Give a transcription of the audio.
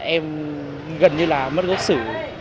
em gần như là mất gốc sử